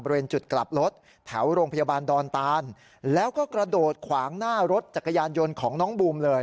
บริเวณจุดกลับรถแถวโรงพยาบาลดอนตานแล้วก็กระโดดขวางหน้ารถจักรยานยนต์ของน้องบูมเลย